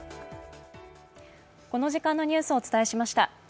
この時間のニュースをお伝えしました。